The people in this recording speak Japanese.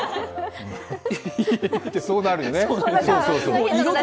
そうなるよね。